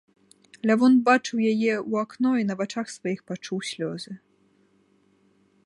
Лявон бачыў яе ў акно і на вачах сваіх пачуў слёзы.